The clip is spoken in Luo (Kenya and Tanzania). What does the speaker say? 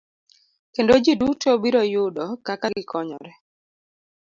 Kendo ji duto biro yudo kaka gikonyore.